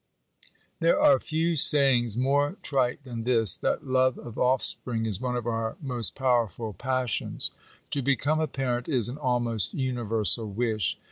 There are few sayings more trite than this, that love of offspring is one of our most powerful passions. To become a parent is an almost universal wish.